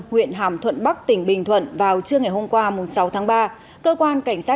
huyện hàm thuận bắc tỉnh bình thuận vào trưa ngày hôm qua sáu tháng ba cơ quan cảnh sát